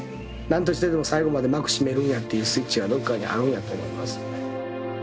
何としてでも最後まで幕締めるんやっていうスイッチがどっかにあるんやと思います。